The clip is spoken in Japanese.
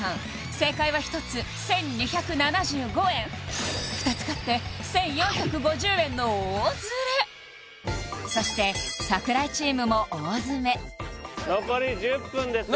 正解は１つ１２７５円２つ買って１４５０円の大ズレそして櫻井チームも大詰め残り１０分ですよ